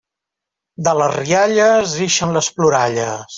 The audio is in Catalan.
De les rialles ixen les ploralles.